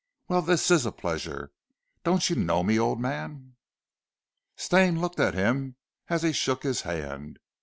"Well this is a pleasure. Don't you know me, old man?" Stane looked at him as he shook his hand.